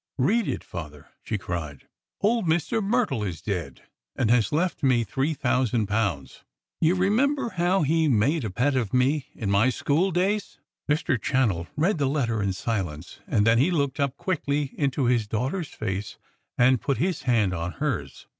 "Read it, father," she cried. "Old Mr. Myrtle is dead, and has left me three thousand pounds! You remember how he made a pet of me in my school days?" Mr. Channell read the letter in silence; and then he looked up quickly into his daughter's face, and put his hand on hers.